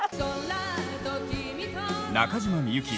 中島みゆき